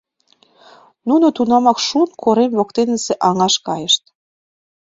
Нуно тунамак Шун корем воктенысе аҥаш кайышт.